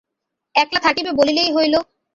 একলা থাকিবে বলিলেই হইল।